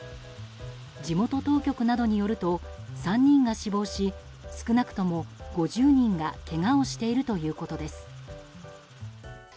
地元当局などによると３人が死亡し少なくとも５０人がけがをしているということです。